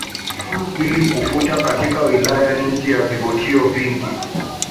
ili kufuta katika wilaya nyingi na vivutio vingi